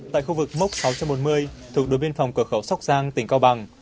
tại khu vực mốc sáu trăm một mươi thuộc đối biên phòng cờ khẩu sóc giang tỉnh cao bằng